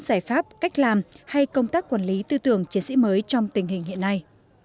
giải pháp cách làm hay công tác quản lý tư tưởng chiến sĩ mới trong tình hình hiện nay